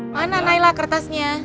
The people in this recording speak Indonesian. mana naila kertasnya